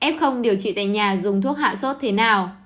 f không điều trị tại nhà dùng thuốc hạ sốt thế nào